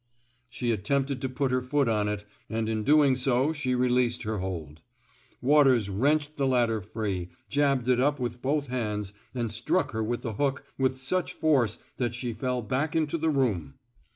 " She attempted to put her foot on it, and in doing so she released her hold. Waters wrenched the ladder free, jabbed it up with both hands and struck her with the hook with such force that she fell back into the room.